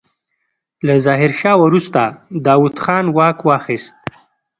له ظاهرشاه وروسته داوود خان واک واخيست.